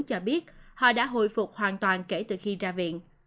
cho biết họ đã hồi phục hoàn toàn kể từ khi ra viện